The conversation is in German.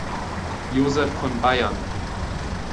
Joseph von Bayern.